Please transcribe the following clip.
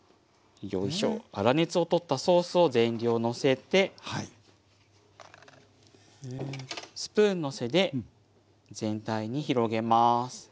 粗熱を取ったソースを全量のせてスプーンの背で全体に広げます。